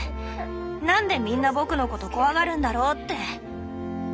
なんでみんな僕のこと怖がるんだろうって。